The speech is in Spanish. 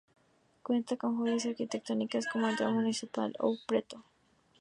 Cuenta con joyas arquitectónicas como el Teatro Municipal de Ouro Preto.